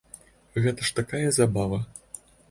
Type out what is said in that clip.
Гэта ж такая забава!